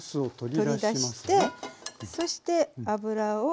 取り出してそして油を。